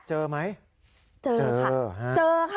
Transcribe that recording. เจอไหมเจอ